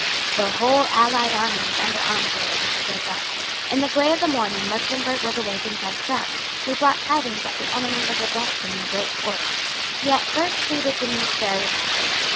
The whole allied army was under arms while it was still dark. In the grey of the morning Luxemburg was awakened by scouts, who brought tidings that the enemy was advancing in great force. He at first treated the news very lightly.